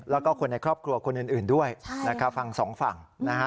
แล้วก็คนในครอบครัวคนอื่นด้วยฝั่งสองฝั่ง